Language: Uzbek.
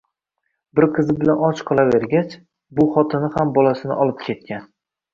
Bir qizi bilan och qolavergach, bu xotini ham bolasini olib ketgan